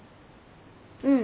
うん。